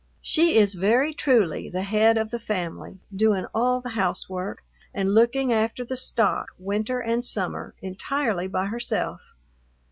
She is very truly the head of the family, doing all the housework and looking after the stock, winter and summer, entirely by herself.